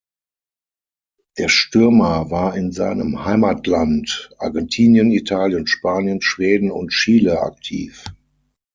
Der Stürmer war in seinem Heimatland Argentinien, Italien, Spanien, Schweden und Chile aktiv.